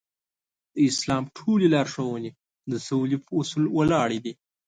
د اسلام ټولې لارښوونې د سولې په اصول ولاړې دي.